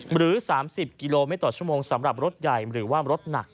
หรือ๓๐กิโลเมตรต่อชั่วโมงสำหรับรถใหญ่หรือว่ารถหนัก